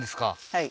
はい